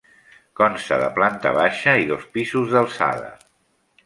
Consta de planta baixa i dos pisos d'alçada.